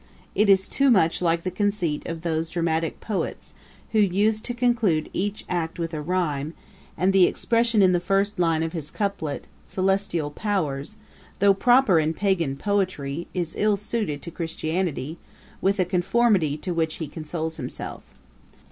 It is too much like the conceit of those dramatick poets, who used to conclude each act with a rhyme; and the expression in the first line of his couplet, 'Celestial powers', though proper in Pagan poetry, is ill suited to Christianity, with 'a conformity' to which he consoles himself.